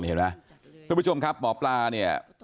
ท่านผู้ชมครับหมอปลาเนี่ย